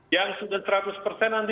yang sudah seratus persen